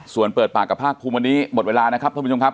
ส่วนเปิดปากกับภาคภูมิวันนี้หมดเวลานะครับท่านผู้ชมครับ